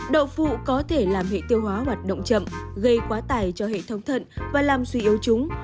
đậu phụ có thể làm hệ tiêu hóa hoạt động chậm gây quá tài cho hệ thống thận và làm suy yếu chúng